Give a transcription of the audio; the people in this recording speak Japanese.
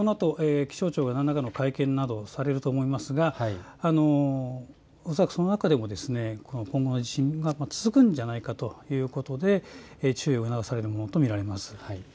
このあと気象庁が何らかの会見をすると思いますが恐らくその中でも今後も地震が続くのではないかということで注意が促されるものと見られます。